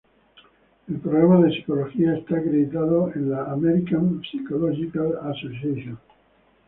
El programa de psicología está acreditado en la American Psychological Association.